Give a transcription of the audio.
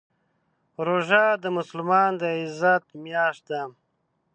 روژه د مسلمان د عزت میاشت ده.